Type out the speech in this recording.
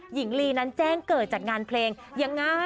หญิงลีนั้นแจ้งเกิดจากงานเพลงยังไง